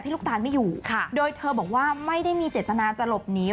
ลูกตาลไม่อยู่โดยเธอบอกว่าไม่ได้มีเจตนาจะหลบหนี